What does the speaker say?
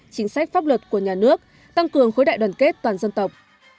chính sách pháp luật của nhà nước tăng cường khối đại đoàn kết toàn dân tộc